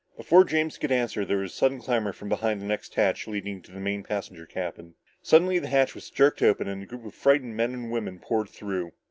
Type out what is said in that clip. Before James could answer there was a sudden clamor from beyond the next hatch leading to the main passenger cabin. Suddenly the hatch was jerked open and a group of frightened men and women poured through.